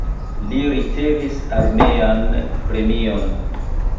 Li ricevis armean premion.